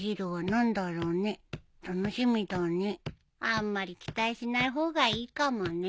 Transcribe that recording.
あんまり期待しない方がいいかもね。